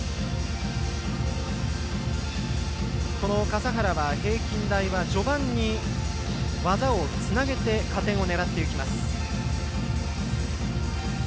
笠原は平均台は序盤に技をつなげて加点を狙っていきます。